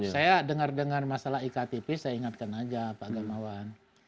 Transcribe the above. saya dengar dengar masalah iktp saya ingatkan aja pak gamawan